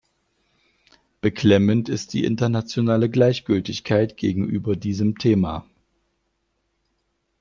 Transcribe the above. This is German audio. Beklemmend ist die internationale Gleichgültigkeit gegenüber diesem Thema.